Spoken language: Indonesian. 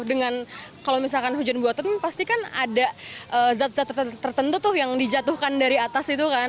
dengan kalau misalkan hujan buatan pasti kan ada zat zat tertentu tuh yang dijatuhkan dari atas itu kan